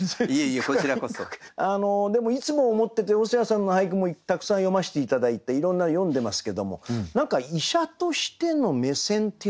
でもいつも思ってて細谷さんの俳句もたくさん読ませて頂いていろんなの読んでますけども何か医者としての目線っていうのかな。